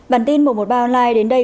bản tin một trăm một mươi ba online đến đây